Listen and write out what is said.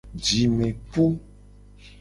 Jime pu.